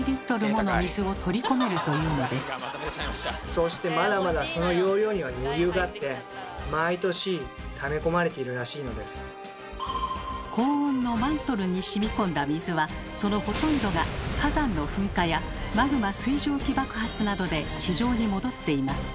そしてまだまだ高温のマントルにしみこんだ水はそのほとんどが火山の噴火やマグマ水蒸気爆発などで地上に戻っています。